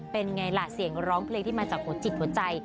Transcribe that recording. เป็นไงล่ะเสียงร้องเพลงที่มาจากหัวจิตหัวใจ